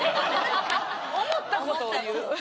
思った事を言う？